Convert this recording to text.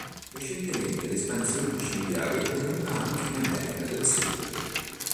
Recentemente l`espansione dei cinghiali è avvenuta anche in America del Sud.